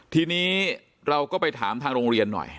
ทีนี้เราก็ไปถามทางโรงเรียนหน่อย